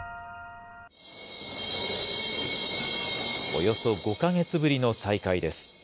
およそ５か月ぶりの再開です。